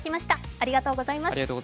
ありがとうございます。